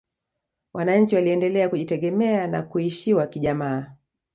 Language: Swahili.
wanachi waliendelea kujitegemea na kuishiwa kijamaa